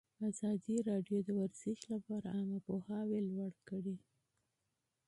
ازادي راډیو د ورزش لپاره عامه پوهاوي لوړ کړی.